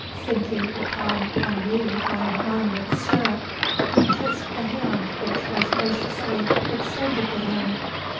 Sinking upon one knee by Monmouth's stirrup, he kissed the hand which was graciously extended to him.